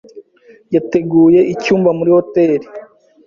Yateguye icyumba muri hoteri.